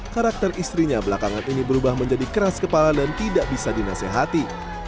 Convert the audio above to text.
karakter istrinya belakangan ini berubah menjadi keras kepala dan tidak bisa dinasehati